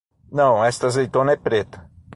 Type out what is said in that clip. Não, esta azeitona é preta.